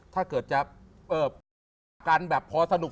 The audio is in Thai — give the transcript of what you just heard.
ถ้าเกิดจะรู้จักกันแบบพอสนุก